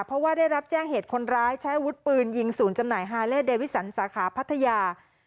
เพราะว่าได้รับแจ้งเหตุคนร้ายใช้อาวุธปืนยิงศูนย์จำหน่ายฮาเลสเดวิสันสาขาพัทยา